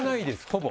ほぼ。